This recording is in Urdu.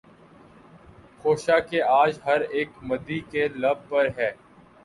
خوشا کہ آج ہر اک مدعی کے لب پر ہے